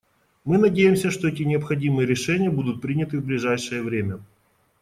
Мы надеемся, что эти необходимые решения будут приняты в ближайшее время.